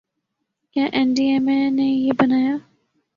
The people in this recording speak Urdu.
کیا این ڈی ایم اے نے یہ بنایا